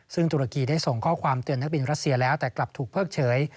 ซึ่งตุรกีได้ส่งข้อความเตือนนักบินรัสเซียแล้วแต่กลับถูกเพิกเฉย